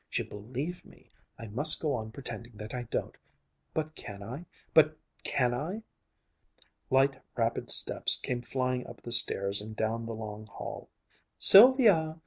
She believed me. I must go on pretending that I don't. But can I! But can I!" Light, rapid steps came flying up the stairs and down the long hall. "Sylvia!